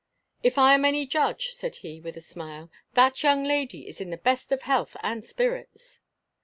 "If I am any judge," said he, with a smile, "that young lady is in the best of health and spirits."